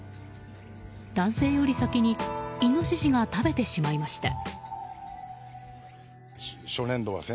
男性より先にイノシシが食べてしまいました。